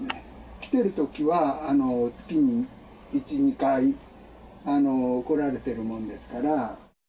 来てるときは、月に１、２回、来られているものですから。